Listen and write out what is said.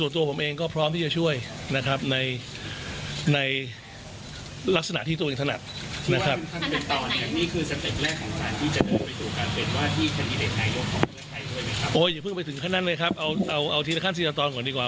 ต่อจุดถึงขั้นนั้นเลยครับเอาทีละขั้นเศรษฐรณ์ก่อนดีกว่า